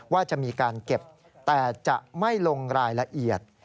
ว่าจะมีการเก็บแต่จะไม่ลงรายละเอียด